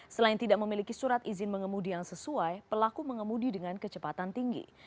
selain tidak memiliki surat izin mengemudi yang sesuai pelaku mengemudi dengan kecepatan tinggi